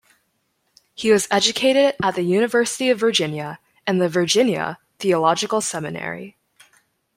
He was educated at the University of Virginia and the Virginia Theological Seminary.